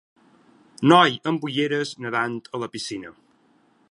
Noi amb ulleres nedant a la piscina.